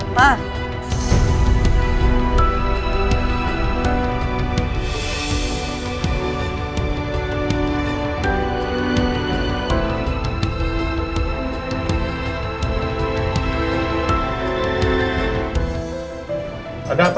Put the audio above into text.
oneng lainnya apa